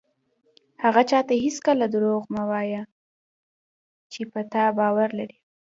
هغه چاته هېڅکله دروغ مه وایه چې په تا باور لري.